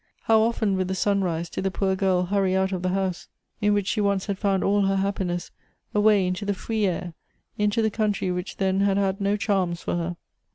How often with the sunrise did the poor girl hurry out of the house, in which she once had found all her hajipiuess, away into the free air, into the country which then had had no charms for her.